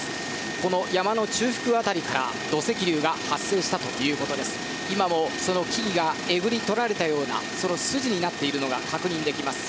この山の中腹辺りから土石流が発生したということで今もその木々がえぐり取られて筋になっているのが確認できます。